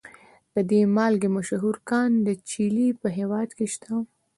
د دې مالګې مشهور کان د چیلي په هیواد کې شته.